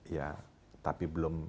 ya tapi belum